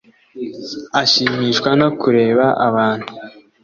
ashimishwa no kureba abantu